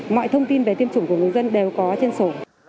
mọi thông tin về tiêm chủng của người dân đều có trên sổ